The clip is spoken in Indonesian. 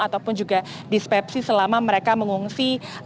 ataupun juga dispepsi selama mereka mengungsi